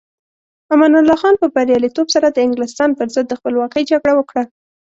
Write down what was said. امان الله خان په بریالیتوب سره د انګلستان پر ضد د خپلواکۍ جګړه وکړه.